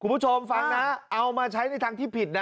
คุณผู้ชมฟังนะเอามาใช้ในทางที่ผิดนะ